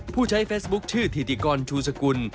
ผู้ใช้เฟซบุ๊คชื่อถิติกรชูสกุล